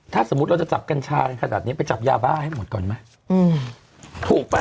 ถ้าสมมุติเราจะจับกัญชากันขนาดนี้ไปจับยาบ้าให้หมดก่อนไหมถูกป่ะ